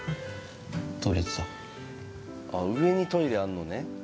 上にトイレあんのね。